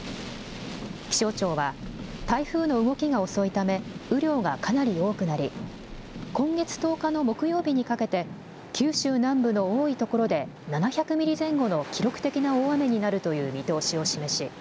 気象庁は台風の動きが遅いため雨量がかなり多くなり今月１０日の木曜日にかけて九州南部の多いところで７００ミリ前後の記録的な大雨になるという見通しを示し